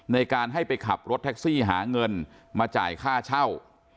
ในการให้ไปขับรถแท็กซี่หาเงินมาจ่ายค่าเช่า